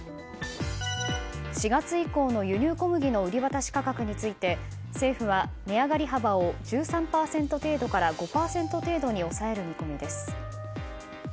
４月以降の輸入小麦の売り渡し価格について政府は値上がり幅を１３％程度から５％程度に抑える見込みです。